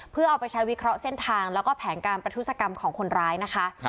เพื่อเอาไปใช้วิเคราะห์เส้นทางแล้วก็แผนการประทุศกรรมของคนร้ายนะคะ